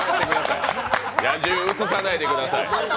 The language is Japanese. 野獣、映さないでください。